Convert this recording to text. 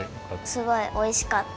すごいおいしかった！